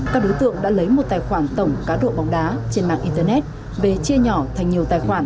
các đối tượng đã lấy một tài khoản tổng cá độ bóng đá trên mạng internet